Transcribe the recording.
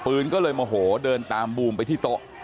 ก็เลยโมโหเดินตามบูมไปที่โต๊ะ